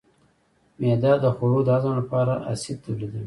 معده د خوړو د هضم لپاره اسید تولیدوي.